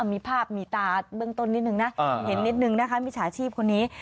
มีภาพมีตาเบื้องต้นนิดนึงนะเห็นนิดนึงนะคะมิจฉาชีพคนนี้